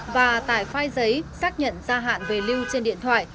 và tải file giấy xác nhận gia hạn về lưu trên điện thoại